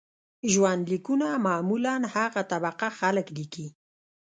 ژوند لیکونه معمولاً هغه طبقه خلک لیکي.